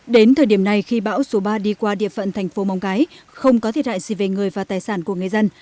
đến thời điểm này khi bão số ba đi qua địa phận thành phố móng cái không có thiệt hại gì về người và tài sản của người dân